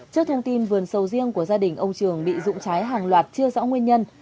trước thông tin vườn sầu riêng của gia đình ông trường bị rụng trái hàng loạt chưa rõ nguyên nhân